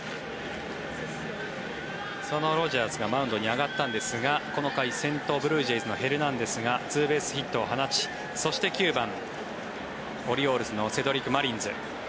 そのロジャーズがマウンドに上がったんですがこの回、先頭ブルージェイズのヘルナンデスがツーベースヒットを放ちそして９番、オリオールズのセドリク・マリンズ。